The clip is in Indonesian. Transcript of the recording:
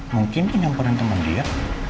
mungkin ini yang pernah temen dia